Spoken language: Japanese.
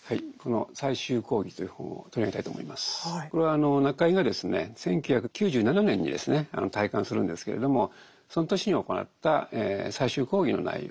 これは中井がですね１９９７年にですね退官するんですけれどもその年に行った最終講義の内容